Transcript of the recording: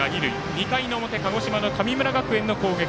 ２回の表鹿児島の神村学園の攻撃。